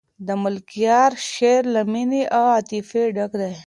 د ملکیار شعر له مینې او عاطفې ډک دی.